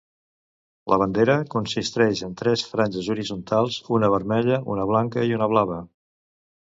La bandera consisteix en tres franges horitzontals: una vermella, una blanca i una blava.